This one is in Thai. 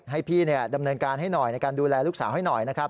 ให้พี่ดำเนินการให้หน่อยในการดูแลลูกสาวให้หน่อยนะครับ